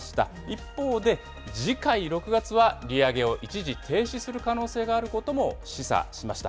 一方で、次回６月は利上げを一時停止する可能性があることも示唆しました。